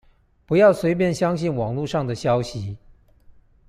不要隨便相信網路上的消息